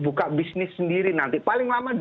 buka bisnis sendiri nanti paling lama